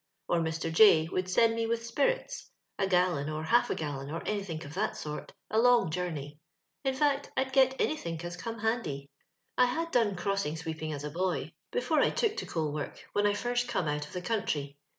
Or Mr. J would send me with speirits — a gallon, or half a gallon, or anythink of that sort — a loog journey. In fact, I'd get anythink as come handy. " I had done crossing sweeping as a boy, before I took to coaLwork, when I first come out of the countr}'.